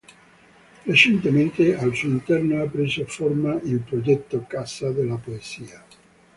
Recentemente al suo interno ha preso forma il progetto "Casa della poesia".